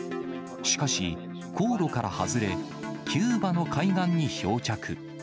しかし、航路から外れ、キューバの海岸に漂着。